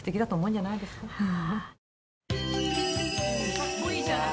かっこいいじゃない。